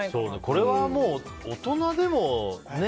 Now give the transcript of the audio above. これはもう大人でもね。